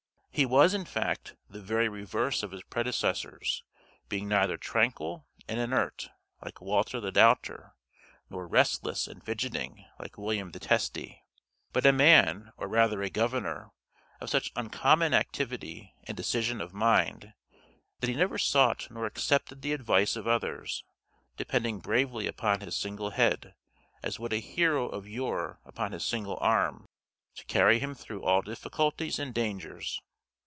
He was, in fact, the very reverse of his predecessors, being neither tranquil and inert, like Walter the Doubter, nor restless and fidgeting, like William the Testy; but a man, or rather a governor, of such uncommon activity and decision of mind, that he never sought nor accepted the advice of others, depending bravely upon his single head, as would a hero of yore upon his single arm, to carry him through all difficulties and dangers.